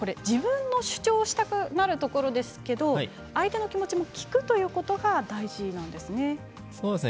自分を主張したくなるところですが相手の気持ちも聞くということが大事なんですね。